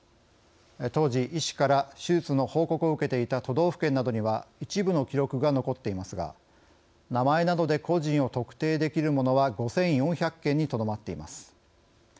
当時、医師から手術の報告を受けていた都道府県などには一部の記録が残っていますが名前などで個人を特定できるものは５４００件にとどまっています。